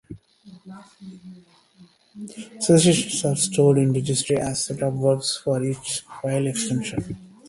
Associations are stored in registry as sets of verbs for each file extension.